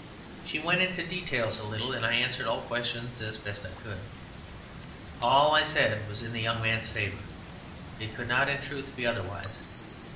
She went into details a little, and I answered all questions as best I could. All I said was in the young man's favor it could not, in truth, be otherwise.